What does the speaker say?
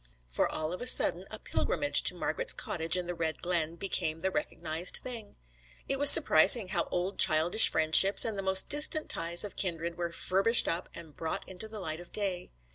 For all of a sudden a pilgrimage to Margret's cottage in the Red Glen became the recognised thing. It was surprising how old childish friendships and the most distant ties of kindred were furbished up and brought into the light of day.